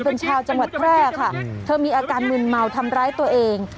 เป็นชาวจังหวัดแพร่ค่ะเธอมีอาการมืนเมาทำร้ายตัวเอง